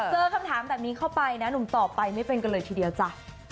เจอคำถามแบบนี้เข้าไปนะหนุ่มต่อไปไม่เป็นกันเลยทีเดียวจ้ะ